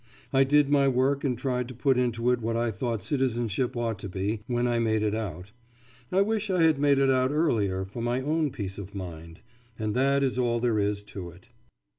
I did my work and tried to put into it what I thought citizenship ought to be, when I made it out. I wish I had made it out earlier for my own peace of mind. And that is all there is to it.